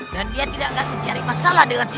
dan dia tidak akan mencari masalah dengan lampir